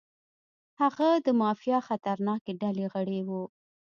هغه د مافیا د خطرناکې ډلې غړی و.